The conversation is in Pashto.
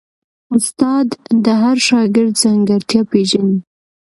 استاد د هر شاګرد ځانګړتیا پېژني.